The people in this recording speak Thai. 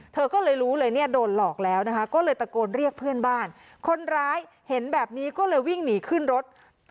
เธอก็เลยรู้เลยเนี่ยโดนหลอกแล้วนะคะก็เลยตะโกนเรียกเพื่อนบ้านคนร้ายเห็นแบบนี้ก็เลยวิ่งหนีขึ้นรถ